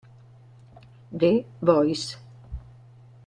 The Voice